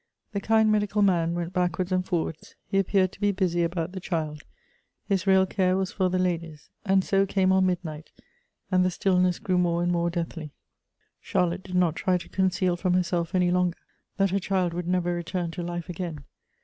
The kind medical man went backwards and forwards; he appeared to be busy about the child ; his real care was for the ladies; and so came on midnight, and the stillness grew more and more deathly. Charlotte did not try to conceal from herself any longer that her child would never return to life again.